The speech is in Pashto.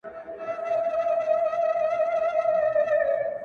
جار يې تر سترگو سـم هغه خو مـي د زړه پـاچـا دی!